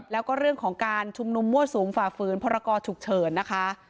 แล้วก็เรื่องของการชุมนุมมั่วสุมฝ่าฝืนพรกรฉุกเฉินนะคะ